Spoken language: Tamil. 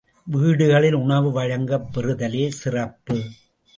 வீடுகளில் உணவு வழங்கப் பெறுதலே சிறப்பு.